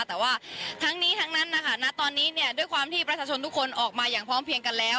แต่ว่าทั้งนี้ทั้งนั้นนะคะณตอนนี้เนี่ยด้วยความที่ประชาชนทุกคนออกมาอย่างพร้อมเพียงกันแล้ว